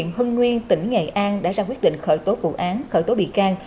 hưng nguyên tỉnh nghệ an đã ra quyết định khởi tố vụ án khởi tố bị can